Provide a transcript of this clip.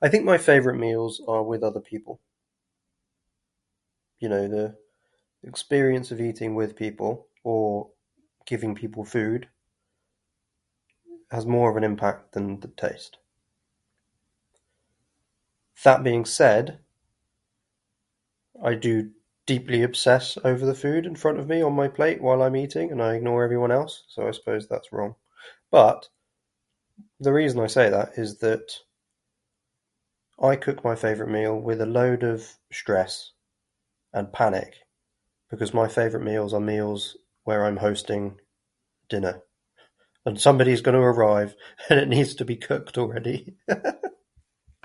I think my favorite meals are with other people. You know, the experience of eating with people, or giving people food, has more of an impact than the taste. That being said, I do deeply obsess over the food in front me on my plate while I'm eating, and I ignore everyone else. So I suppose that's wrong. But the reason I say that is that I cook my favorite meal with a load of stress and panic, because my favorite meals are meals where I'm hosting dinner. And somebody's going to arrive, and it needs to be cooked already.